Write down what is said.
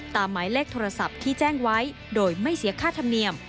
หมายเลขโทรศัพท์ที่แจ้งไว้โดยไม่เสียค่าธรรมเนียม